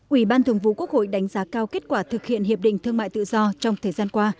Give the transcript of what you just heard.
ủy ban thường vụ quốc hội đánh giá cao kết quả thực hiện hiệp định thương mại tự do trong thời gian qua